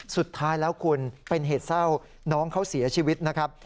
สุดท้ายแล้วคุณเป็นเหตุเศร้าน้องเขาเสียชีวิตนะครับ